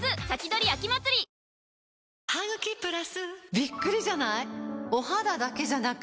びっくりじゃない？